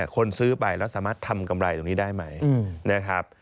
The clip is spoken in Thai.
คนซื้อไปแล้วสามารถทำกำไรตรงนี้ได้ไหมนะครับ